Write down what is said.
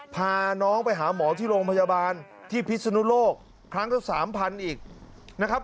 พาน้องไปหาหมอที่โรงพยาบาลที่พิศนุโลกครั้งละสามพันอีกนะครับ